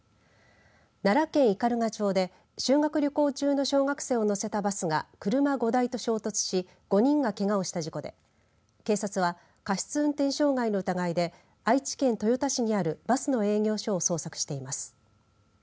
奈良県斑鳩町で修学旅行中の小学生を乗せたバスが車５台と衝突し５人がけがをした事故で警察は、過失運転傷害の疑いで愛知県豊田市にあるバスの営業所を捜索しています。